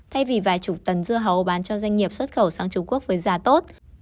thay vì vài chục tấn dưa hấu bán cho doanh nghiệp xuất khẩu sang trung quốc với giá tốt